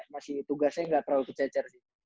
masih tugasnya gak terlalu kececer sih